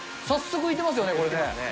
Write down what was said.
早速浮いてますよね、これね。